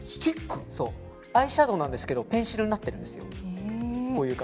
アイシャドーなんですけどペンシルになってるんです。